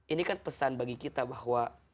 ini kan pesan bagi kita bahwa